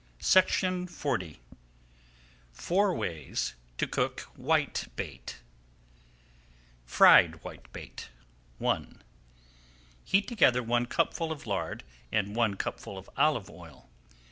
[Page 439] FOUR WAYS TO COOK WHITEBAIT FRIED WHITEBAIT I Heat together one cupful of lard and one cupful of olive oil.